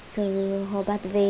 sơ họ bắt về